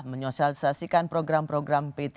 menyosialisasikan program program p tiga